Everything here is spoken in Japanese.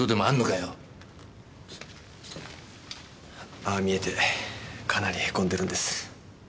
ああ見えてかなりへこんでるんです。